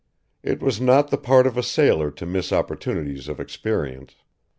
It was not the part of a sailor to miss opportunities of experience.